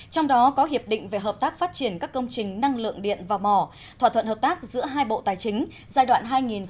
trong đó có hiệp định về hợp tác phát triển các công trình năng lượng điện và mỏ thỏa thuận hợp tác giữa hai bộ tài chính giai đoạn hai nghìn một mươi sáu hai nghìn hai mươi năm